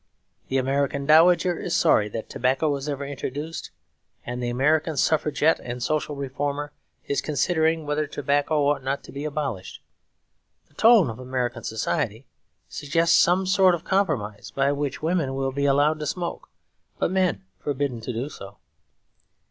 The American dowager is sorry that tobacco was ever introduced; and the American suffragette and social reformer is considering whether tobacco ought not to be abolished. The tone of American society suggests some sort of compromise, by which women will be allowed to smoke, but men forbidden to do so.